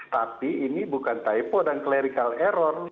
tapi ini bukan taipo dan clerical error